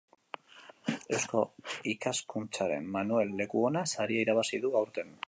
Eusko Ikaskuntzaren Manuel Lekuona saria irabazi du aurten.